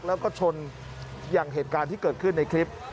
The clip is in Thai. แล้วก็ชนอย่างเหตุการณ์ที่เกิดขึ้นในคลิป